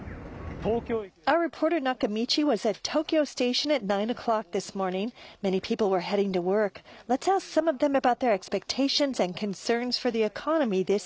東京駅です。